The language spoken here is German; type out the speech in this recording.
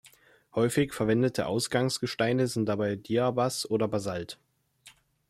Häufig verwendete Ausgangsgesteine sind dabei Diabas oder Basalt.